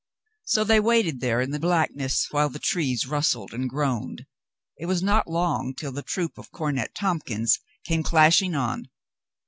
So they waited there in the black ness while the trees rustled and groaned. It was not long till the troop of Cornet Tompkins came clash ing on.